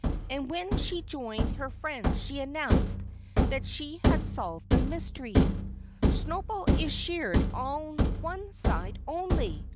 And when she joined her friends she announced that she had solved the mystery. "Snowball is sheared on one side only!"